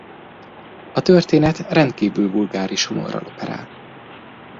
A történet rendkívül vulgáris humorral operál.